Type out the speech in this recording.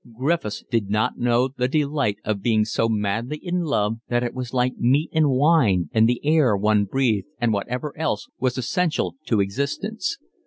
Griffiths did not know the delight of being so madly in love that it was like meat and wine and the air one breathed and whatever else was essential to existence.